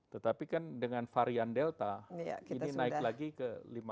tetapi kan dengan varian delta ini naik lagi ke lima belas